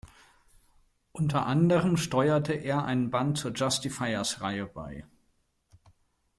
Unter anderem steuerte er einen Band zur "Justifiers"-Reihe bei.